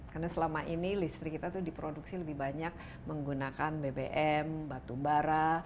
karena selama ini listrik kita diproduksi lebih banyak menggunakan bbm batu bara